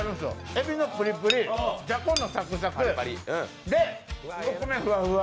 えびのプリプリ、じゃこのサクサクで、お米ふわふわ。